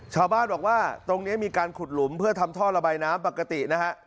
ชาวบ้านบอกว่าตรงนี้มีการขุดหลุมเพื่อทำท่อระบายน้ำปกตินะฮะ